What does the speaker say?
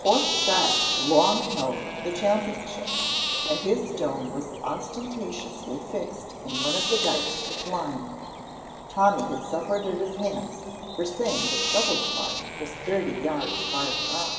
Corp Shiach long held the championship, and his stone was ostentatiously fixed in one of the dykes with lime. Tommy had suffered at his hands for saying that Shovel's mark was thirty yards farther on.